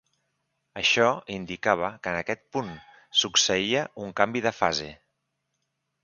Això indicava que en aquest punt succeïa un canvi de fase.